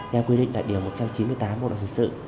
đem quy định đại điểm một trăm chín mươi tám một lần thực sự